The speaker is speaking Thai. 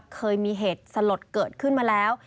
เคยมีเหตุสลดเกิดขึ้นมาแล้ว